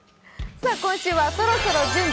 今週は「そろそろ準備！